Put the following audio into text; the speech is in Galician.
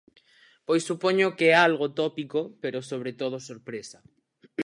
Pois supoño que é algo tópico, pero sobre todo sorpresa.